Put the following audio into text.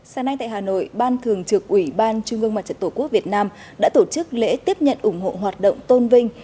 sáng nay tại hà nội ban thường trực ủy ban trung ương mặt trận tổ quốc việt nam đã tổ chức lễ tiếp nhận ủng hộ hoạt động tôn vinh